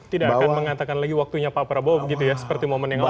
tidak akan mengatakan lagi waktunya pak prabowo begitu ya seperti momen yang lalu